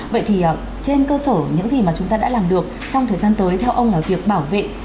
vậy thì trên cơ sở những gì mà chúng ta đã làm được trong thời gian tới theo ông là việc bảo vệ